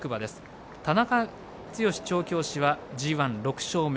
田中剛調教師はＧＩ、６勝目。